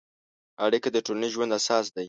اړیکه د ټولنیز ژوند اساس دی.